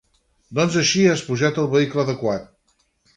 Doncs així has pujat al vehicle adequat.